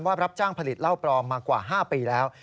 รับจ้างผลิตเหล้าปลอมมากว่า๕ปีแล้ว